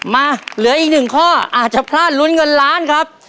มาเหลืออีกหนึ่งข้ออาจจะพลาดลุ้นเงินล้านครับ